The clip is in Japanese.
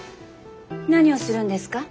何をするんですか？